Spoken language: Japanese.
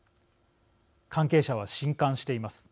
関係者は、しんかんしています。